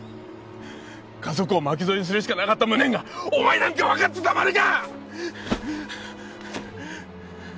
家族を巻き添えにするしかなかった無念がお前なんか分かってたまるか！